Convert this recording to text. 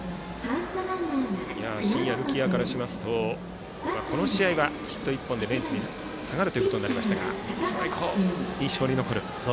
新家瑠希愛からしますとこの試合はヒット１本でベンチに下がることになりましたが非常に印象に残る。